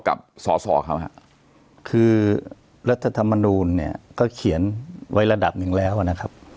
กับสอสอเขาฮะคือรัฐธรรมนูลเนี่ยก็เขียนไว้ระดับหนึ่งแล้วนะครับ